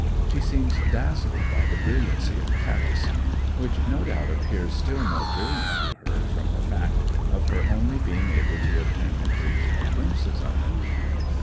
She seems dazzled by the brilliancy of Paris which no doubt appears still more brilliant to her from the fact of her only being able to obtain occasional glimpses of it.